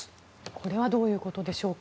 これはどういうことでしょうか？